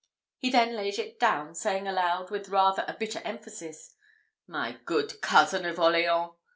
He then laid it down, saying aloud, with rather a bitter emphasis, "My good cousin of Orleans!"